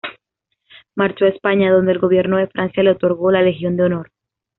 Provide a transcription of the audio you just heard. Marchó a España, donde el gobierno de Francia le otorgó la Legión de Honor.